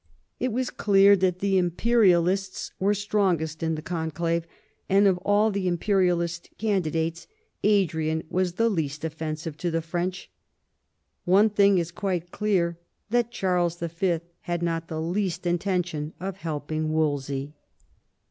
It was clear that the imperialists were strongest in the conclave, and of all the imperialist candidates Adrian was the least offensive to the French. One thing is quite clear, that Charles Y. had not the least intention of helping Wolsey.